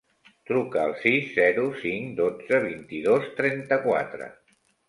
Truca al sis, zero, cinc, dotze, vint-i-dos, trenta-quatre.